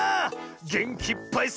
げんきいっぱい